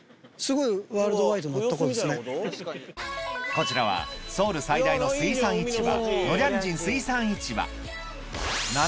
こちらはソウル最大の水産市場